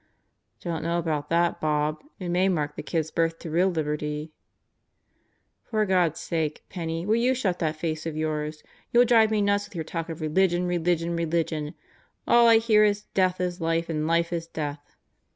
"Don't know about that, Bob. It may mark the kid's birth to real liberty, ..." "For God's sake, Penney, will you shut that face of yours? You'll drive me nuts with your talk of religion, religion, religion. All I hear is, death is life and life is death.